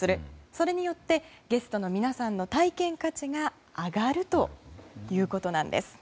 それによってゲストの皆さんの体験価値が上がるということなんです。